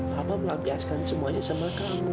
bapak melabiaskan semuanya sama kamu